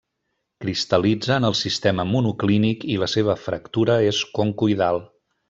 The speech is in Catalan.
Cristal·litza en el sistema monoclínic i la seva fractura és concoidal.